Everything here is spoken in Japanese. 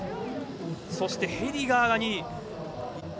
そしてヘディガーが２位。